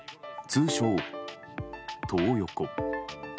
通称トー横。